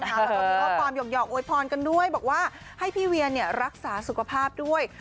แล้วก็มีข้อความหยอกโวยพรกันด้วยบอกว่าให้พี่เวียรักษาสุขภาพด้วย